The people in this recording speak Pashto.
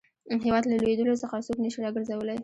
هیواد له لوېدلو څخه څوک نه شي را ګرځولای.